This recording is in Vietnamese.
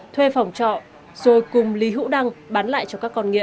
thuê phòng trọ rồi cùng lý hữu đăng bán lại cho các con nghiện